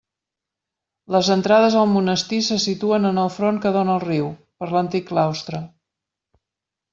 Les entrades al monestir se situen en el front que dóna al riu, per l'antic claustre.